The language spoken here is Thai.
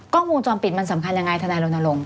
กล้องวงจอมปิดมันสำคัญยังไงธนายโลนาลง